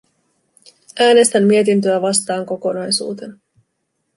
Äänestän mietintöä vastaan kokonaisuutena.